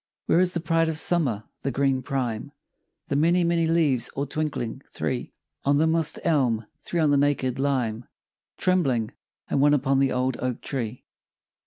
Where is the pride of Summer, the green prime, The many, many leaves all twinkling? Three On the moss'd elm; three on the naked lime Trembling, and one upon the old oak tree!